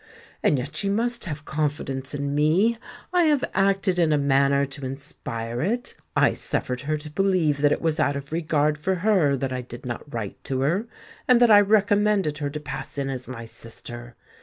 And yet she must have confidence in me: I have acted in a manner to inspire it. I suffered her to believe that it was out of regard for her that I did not write to her, and that I recommended her to pass in as my sister.